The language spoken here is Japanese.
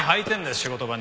仕事場に。